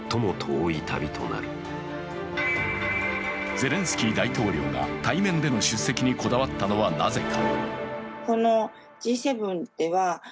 ゼレンスキー大統領が対面での出席にこだわったのはなぜか。